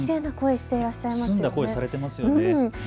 澄んだ声されていますよね。